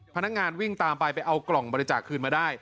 พนักงานวิ่งตามไปไปเอากล่องบริจาคคืนมาได้